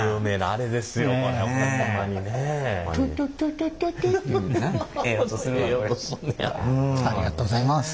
ありがとうございます。